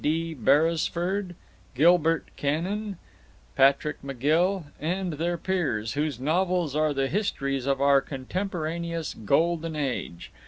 D. Beresford, Gilbert Cannan, Patrick MacGill, and their peers, whose novels are the histories of our contemporaneous Golden Age.